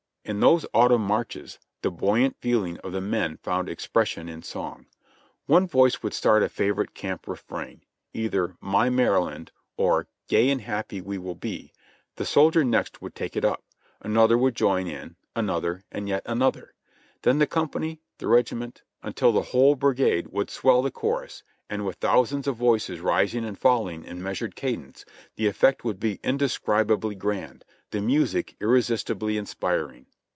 In those autumn marches the buoyant feeling of the men found expression in song. One voice would start a favorite camp refrain, either "My Maryland," or "Gay and Happy we Will Be," the soldier next would take it up; another would join in, another, and yet another; then the company, the regiment — until the whole brigade would swell the chorus, and with thousands of voices rising and falling in measured cadence, the effect would be indescribably grand, the music irresistibly inspiring.